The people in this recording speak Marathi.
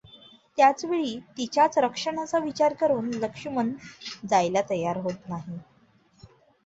त्यावेळी तिच्याच रक्षणाचा विचार करून लक्ष्मण जायला तयार होत नाही.